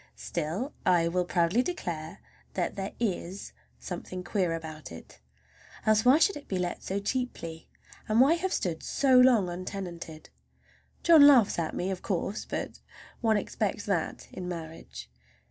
Still I will proudly declare that there is something queer about it. Else, why should it be let so cheaply? And why have stood so long untenanted? John laughs at me, of course, but one expects that in marriage.